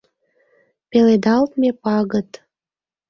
Пеледалтме пагыт.